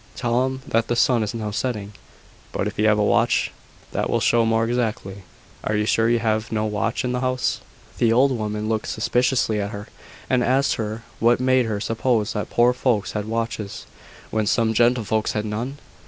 Tell him that the sun is now setting. But if you have a watch, that will show more exactly. Are you sure you have no watch in the house?" The old woman looked suspiciously at her, and asked her what made her suppose that poor folks had watches, when some gentlefolks had none?